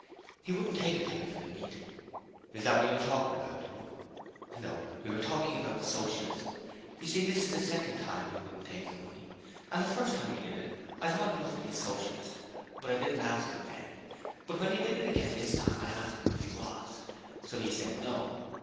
'He wouldn't take a penny for the meat.' 'Is that what you were talking to him about?' No; we were talking about Socialism. You see, this is the second time he wouldn't take the money, and the first time he did it I thought he must be a Socialist, but I didn't ask him then. But when he did it again this time I asked him if he was. So he said, No.